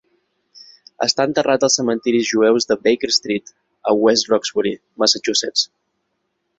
Està enterrat als cementiris jueus de Baker Street, a West Roxbury, Massachusetts.